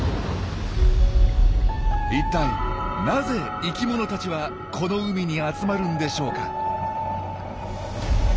一体なぜ生きものたちはこの海に集まるんでしょうか？